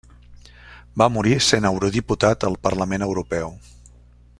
Va morir sent eurodiputat al Parlament Europeu.